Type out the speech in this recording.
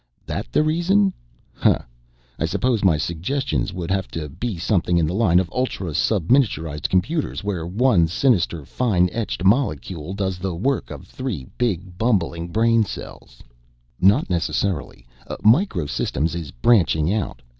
"That the reason, huh? I suppose my suggestions would have to be something in the line of ultra subminiaturized computers, where one sinister fine etched molecule does the work of three big bumbling brain cells?" "Not necessarily. Micro Systems is branching out.